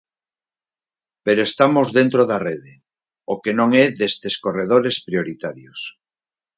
Pero estamos dentro da rede, o que non é destes corredores prioritarios.